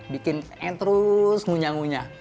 membuat terus ngunya ngunya